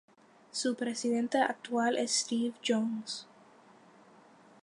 Su presidente actual es Steve Jones.